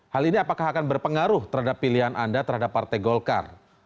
hal ini apakah akan berpengaruh terhadap pilihan anda terhadap partai golkar